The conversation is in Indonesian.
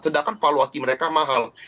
sedangkan valuasi mereka mahal